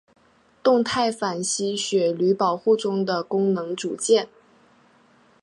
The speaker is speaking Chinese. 动态反吸血驴保护中的功能组件。